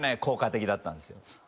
効果的だったんですよ。